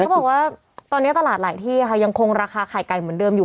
เขาบอกว่าตอนนี้ตลาดหลายที่ค่ะยังคงราคาไข่ไก่เหมือนเดิมอยู่